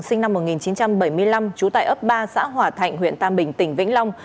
sinh năm một nghìn chín trăm bảy mươi năm trú tại ấp ba xã hỏa thạnh huyện tam bình tỉnh vĩnh long